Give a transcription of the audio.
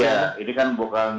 iya ini kan bukan soal cinta